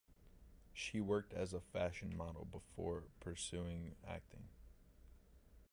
She worked as a fashion model before pursuing acting.